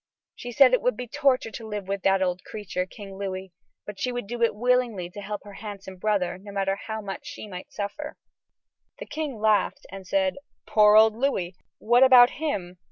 She said it would be torture to live with that old creature, King Louis, but she would do it willingly to help her handsome brother, no matter how much she might suffer. The king laughed and said: "Poor old Louis! What about him?